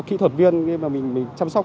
kỹ thuật viên mình chăm sóc